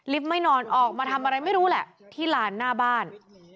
ไม่นอนออกมาทำอะไรไม่รู้แหละที่ลานหน้าบ้าน